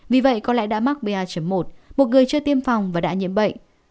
vì vậy có lẽ đã mắc ba một một người chưa tiêm phòng và đã nhiễm bệnh